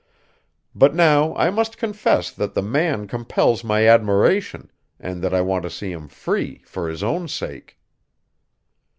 But now I must confess that the man compels my admiration, and that I want to see him free for his own sake."